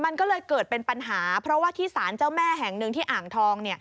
มันก็เลยเกิดเป็นปัญหาเพราะว่าที่สารเจ้าแม่แห่งหนึ่งที่อ่างทอง